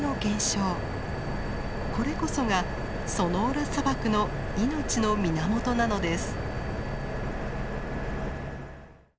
これこそがソノーラ砂漠の命の源なのです。